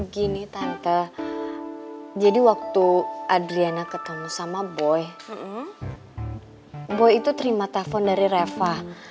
gini tante jadi waktu adriana ketemu sama boy itu terima telepon dari reva